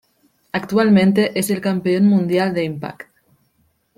Actualmente es el Campeón Mundial de Impact.